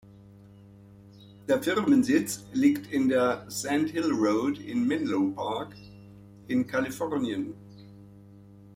Der Firmensitz liegt in der Sand Hill Road in Menlo Park in Kalifornien.